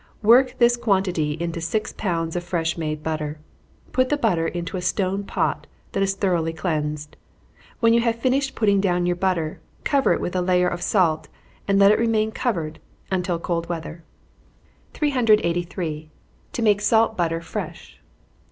Work this quantity into six pounds of fresh made butter. Put the butter into a stone pot, that is thoroughly cleansed. When you have finished putting down your butter, cover it with a layer of salt, and let it remain covered until cold weather. 383. _To make Salt Butter Fresh.